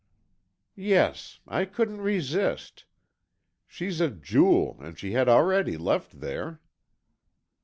"Yes. I couldn't resist. She's a jewel, and she had already left there."